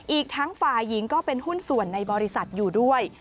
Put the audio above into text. อีกทั้งฝ่ายหญิงก็เป็นหุ้นส่วนในบริษัทอยู่ด้วย